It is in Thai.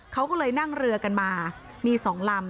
เขาก็เลยนั่งเรือกันมามี๒ลำ